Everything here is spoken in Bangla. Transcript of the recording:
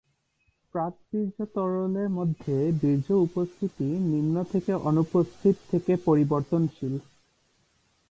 প্রাক-বীর্য তরলের মধ্যে বীর্য উপস্থিতি নিম্ন থেকে অনুপস্থিত থেকে পরিবর্তনশীল।